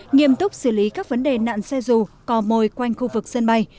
nghiêm túc xử lý các vấn đề nạn xe dù cò mồi quanh khu vực sân bay